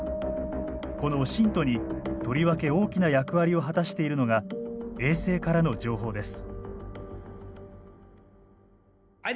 このオシントにとりわけ大きな役割を果たしているのが衛星からの情報です。